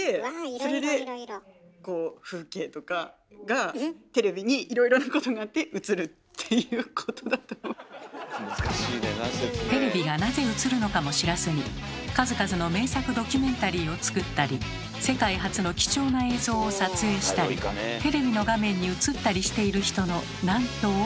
それでこう風景とかがテレビにテレビがなぜ映るのかも知らずに数々の名作ドキュメンタリーを作ったり世界初の貴重な映像を撮影したりテレビの画面に映ったりしている人のなんと多いことか。